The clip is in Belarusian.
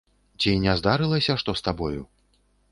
Ці не здарылася што з табою?